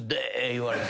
言われて。